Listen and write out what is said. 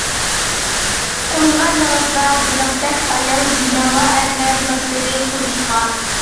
قۇرۇغان دېڭىزدا بېلىقتەك ئايال بىناۋا ئەرلەر باشلىدى قۇرۇشقا.